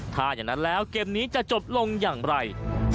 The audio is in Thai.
ถ้าอย่างนั้นแล้วเกมนี้จะจบลงอย่างไร